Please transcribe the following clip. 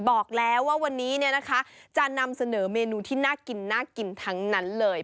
บอกแล้วว่าวันนี้จะนำเสนอเมนูที่น่ากินน่ากินทั้งนั้นเลย